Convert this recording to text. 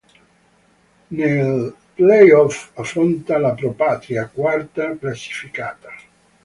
Nei play-off affronta la Pro Patria, quarta classificata.